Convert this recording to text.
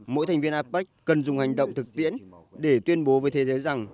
mỗi thành viên apec cần dùng hành động thực tiễn để tuyên bố với thế giới rằng